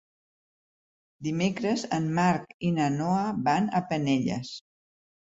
Dimecres en Marc i na Noa van a Penelles.